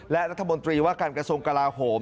และรัฐมนตรีว่าการกระทรวงกลาโหม